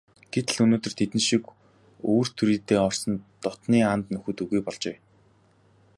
Гэтэл өнөөдөр тэдэн шиг өвөр түрийдээ орсон дотнын анд нөхөд үгүй болжээ.